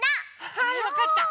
はいわかった！